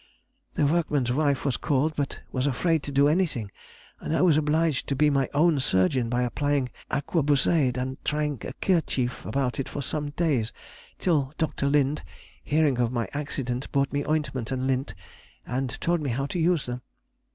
The workman's wife was called, but was afraid to do anything, and I was obliged to be my own surgeon by applying aquabusade and tying a kerchief about it for some days, till Dr. Lind, hearing of my accident, brought me ointment and lint, and told me how to use them.